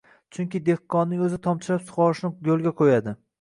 chunki dehqonning o‘zi tomchilab sug‘orishni yo‘lga qo‘yadi.